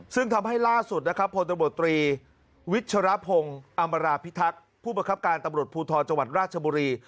ซึ่งทำให้ล่าสุดนะครับพบวิชารพงศ์อำราภิทักษ์ผู้ประครับการตำรวจภูทธ์จังหวัดราชบุรี